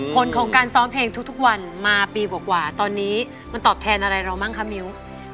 ผลของการซ้อมเพลงทุกวันมาปีกว่าตอนนี้มันตอบแทนอะไรเราบ้างคะมิ้ว